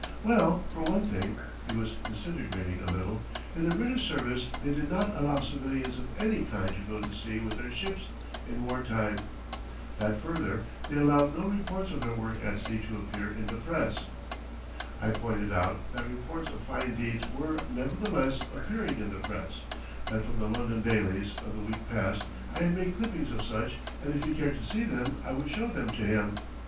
Well, for one thing (he was disintegrating a little), in the British service they did not allow civilians of any kind to go to sea with their ships in war time. That further they allowed no reports of their work at sea to appear in the press. I pointed out that reports of fine deeds were, nevertheless, appearing in the press; that from the London dailies of the week past I had made clippings of such, and if he cared to see them I would show them to him.